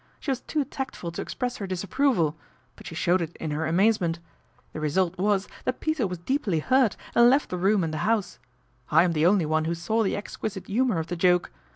She was too tactful to express her disapproval ; but she showed it in her amazement. The result was that Peter was deeply hurt and left the room and the house. I am the only one who saw the exquisite humour of the joke.